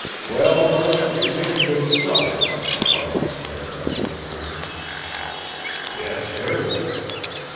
"Well, Murk, we've made a good start," Farland said, after a time. "Yes, sir."